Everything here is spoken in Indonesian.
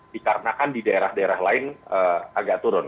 dikarenakan di daerah daerah lain agak turun